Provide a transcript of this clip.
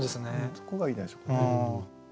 そこがいいじゃないでしょうかね。